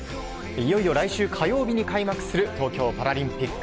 いよいよ来週火曜日に開幕する東京パラリンピック。